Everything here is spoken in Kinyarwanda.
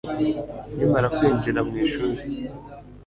nkimara kwinjira mu ishuri